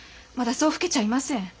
まだそう老けちゃいません。